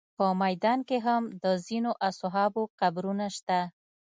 په میدان کې هم د ځینو اصحابو قبرونه شته.